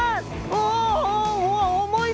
おお重い。